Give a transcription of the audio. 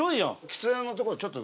喫煙のとこちょっと。